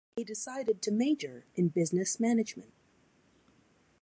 He decided to major in business management.